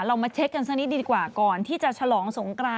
เรามันเทคกันสักนิดดีกว่าก่อนที่จะ